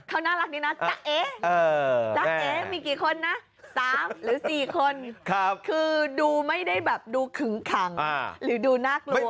เขาน่ารักดีนะจ๊ะเอ๊จ๊ะเอ๊มีกี่คนนะ๓หรือ๔คนคือดูไม่ได้แบบดูขึงขังหรือดูน่ากลัว